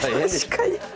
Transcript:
確かに。